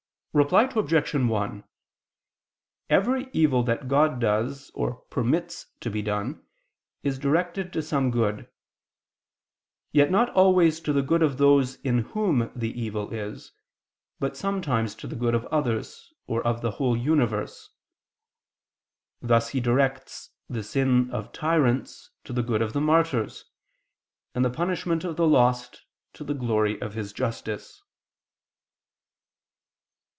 Reply Obj. 1: Every evil that God does, or permits to be done, is directed to some good; yet not always to the good of those in whom the evil is, but sometimes to the good of others, or of the whole universe: thus He directs the sin of tyrants to the good of the martyrs, and the punishment of the lost to the glory of His justice.